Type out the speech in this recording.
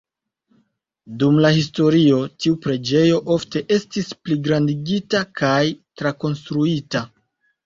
Dum la historio tiu preĝejo ofte estis pligrandigita kaj trakonstruita.